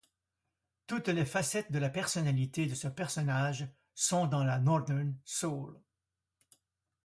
Toutes les facettes de la personnalité de ce personnage sont la Northern Soul.